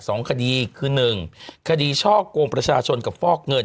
สองคดีคือหนึ่งคดีช่อกงประชาชนกับฟอกเงิน